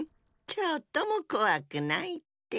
ちょっともこわくないって。